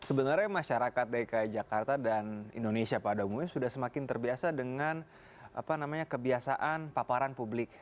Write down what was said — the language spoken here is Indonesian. sebenarnya masyarakat dki jakarta dan indonesia pada umumnya sudah semakin terbiasa dengan kebiasaan paparan publik